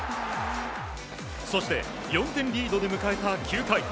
そして、４点リードで迎えた９回。